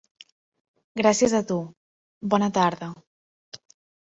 Gràcies a tu, bona tarda.